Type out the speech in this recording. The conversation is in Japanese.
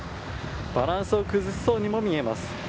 バランスを崩しそうにも見えます。